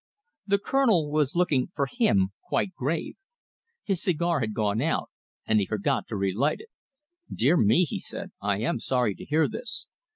The Colonel was looking, for him, quite grave. His cigar had gone out, and he forgot to relight it. "Dear me," he said, "I am sorry to hear this.